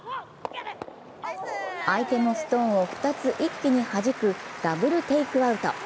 相手のストーンを２つ一気にはじくダブルテイクアウト。